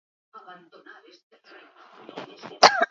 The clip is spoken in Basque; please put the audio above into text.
Bien gauaren ondoren, Afroditak Eneas erditu zuen.